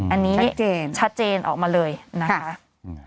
อันนี้ชัดเจนชัดเจนออกมาเลยนะคะ